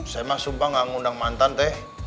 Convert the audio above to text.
saya mah sumpah nggak ngundang mantan teh